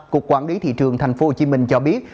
cục quản lý thị trường thành phố hồ chí minh cho biết